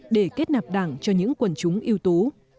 để kết nạp đảng cho những quần chúng yếu tố